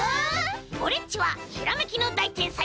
オレっちはひらめきのだいてんさい！